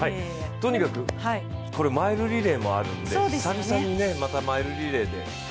とにかく、マイルリレーもあるんで久々にまたマイルリレーで。